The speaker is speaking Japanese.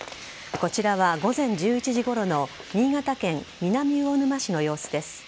こちらは午前１１時ごろの新潟県南魚沼市の様子です。